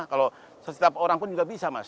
kalau setiap orang pun juga bisa mas